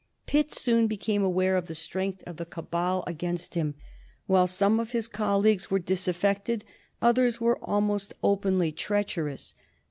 Pitt soon became aware of the strength of the cabal against him. While some of his colleagues were disaffected, others were almost openly treacherous.